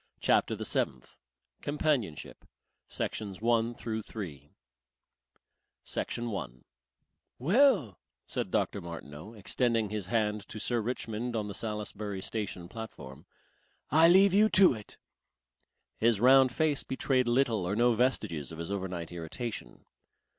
CHAPTER THE SEVENTH COMPANIONSHIP Section 1 "Well," said Dr. Martineau, extending his hand to Sir Richmond on the Salisbury station platform, "I leave you to it." His round face betrayed little or no vestiges of his overnight irritation.